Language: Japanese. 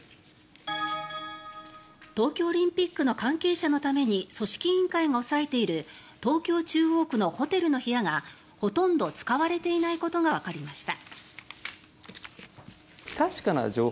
東京オリンピックの関係者のために組織委員会が押さえている東京・中央区のホテルの部屋がほとんど使われていないことがわかりました。